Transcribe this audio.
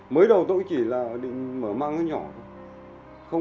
mới đầu tôi chỉ là định mở mạng nhỏ thôi